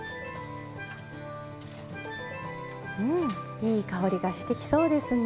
いい香りがしてきそうですね。